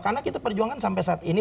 karena kita perjuangkan sampai saat ini